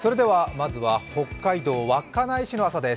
まずは北海道稚内市の朝です。